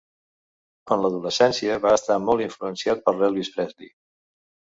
En l'adolescència va estar molt influenciat per l'Elvis Presley.